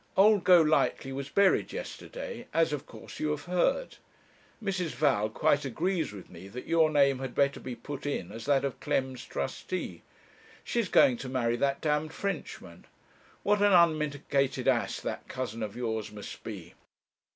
Old Golightly was buried yesterday, as of course you have heard. Mrs. Val quite agrees with me that your name had better be put in as that of Clem's trustee. She's going to marry that d Frenchman. What an unmitigated ass that cousin of yours must be!